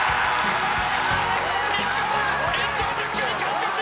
日本延長１０回勝ち越し！